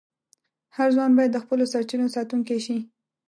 هر ځوان باید د خپلو سرچینو ساتونکی شي.